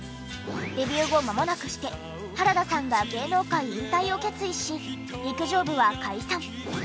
デビュー後まもなくして原田さんが芸能界引退を決意し陸上部は解散。